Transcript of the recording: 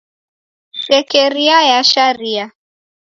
Shekeria ya sharia.